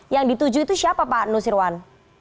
yang dituju itu siapa pak nusirwan